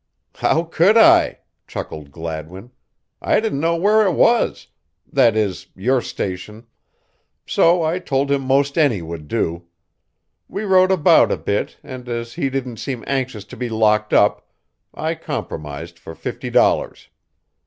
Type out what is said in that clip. "How could I?" chuckled Gladwin. "I didn't know where it was that is, your station so I told him most any would do. We rode about a bit and as he didn't seem anxious to be locked up, I compromised for fifty dollars.